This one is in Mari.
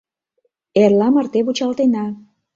Эрла марте вучалтена.